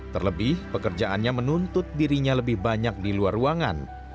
terlebih pekerjaannya menuntut dirinya lebih banyak di luar ruangan